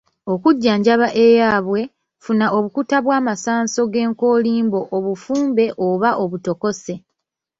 Okujjanjaba eyaabwe, funa obukuta bw’amasanso g’enkoolimbo obufumbe oba obutokose.